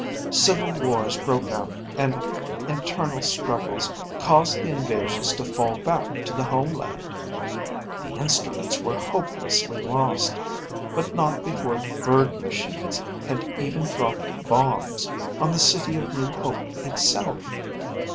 Civil wars broke out and internal struggles caused the invasions to fall back to the homeland. The instruments were hopelessly lost, but not before the bird machines had even dropped bombs on the City of New Hope itself.